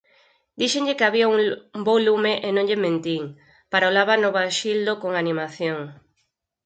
_Díxenlle que había un bo lume e non lle mentín _parolaba Novaxildo con animación_.